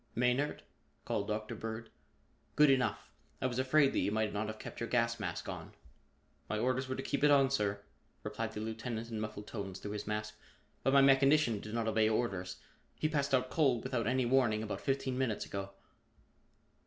"Maynard?" called Dr. Bird. "Good enough! I was afraid that you might not have kept your gas mask on." "My orders were to keep it on, sir," replied the lieutenant in muffled tones through his mask, "but my mechanician did not obey orders. He passed out cold without any warning about fifteen minutes ago."